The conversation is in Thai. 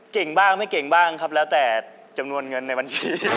เก่งบ้างไม่เก่งบ้างครับแล้วแต่จำนวนเงินในบัญชี